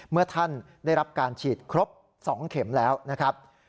เมื่อท่านได้รับการฉีดครบ๒เข็มแล้วนะครับ